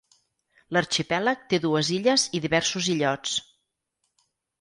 L'arxipèlag té dues illes i diversos illots.